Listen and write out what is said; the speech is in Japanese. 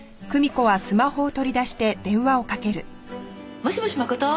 もしもし真琴？